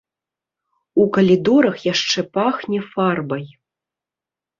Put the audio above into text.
У калідорах яшчэ пахне фарбай.